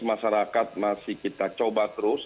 masyarakat masih kita coba terus